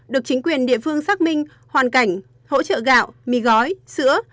được chính quyền địa phương xác minh hoàn cảnh hỗ trợ gạo mì gói sữa